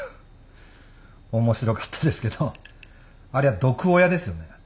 面白かったですけどありゃ毒親ですよね。